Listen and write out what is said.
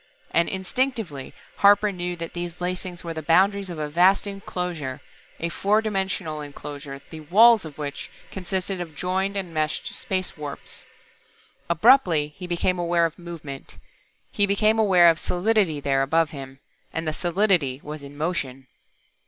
And instinctively Harper knew that these lacings were the boundaries of a vast enclosure a four dimensional enclosure, the "walls" of which consisted of joined and meshed space warps. Abruptly he became aware of movement. He became aware of solidity there above him. And the solidity was in motion.